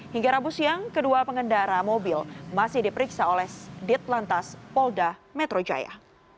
hingga rabu siang kedua pengendara mobil masih diperiksa oleh ditlantas polda metro jaya